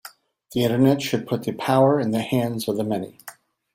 The Internet should put the power in the hands of the many.